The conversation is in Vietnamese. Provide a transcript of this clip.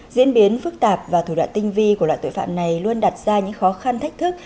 diễn biến phức tạp và thủ đoạn tinh vi của loại tội phạm này luôn đặt ra những khó khăn thách thức